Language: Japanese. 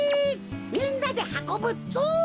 みんなではこぶぞ！